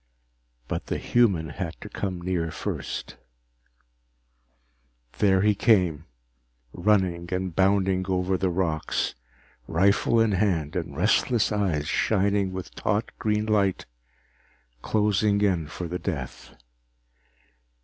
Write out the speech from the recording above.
But the human had to come near first There he came, running and bounding over the rocks, rifle in hand and restless eyes shining with taut green light, closing in for the death.